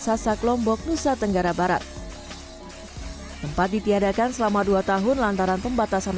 sasak lombok nusa tenggara barat tempat ditiadakan selama dua tahun lantaran pembatasan